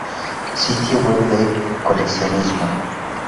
Sitio web de coleccionismo.